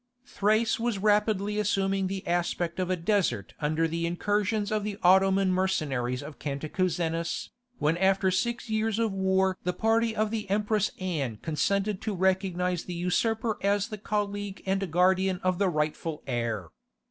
Thrace was rapidly assuming the aspect of a desert under the incursions of the Ottoman mercenaries of Cantacuzenus, when after six years of war the party of the Empress Anne consented to recognize the usurper as the colleague and guardian of the rightful heir.